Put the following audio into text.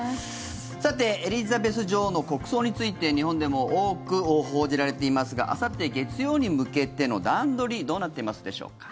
さて、エリザベス女王の国葬について日本でも多く報じられていますがあさって月曜に向けての段取りどうなっていますでしょうか。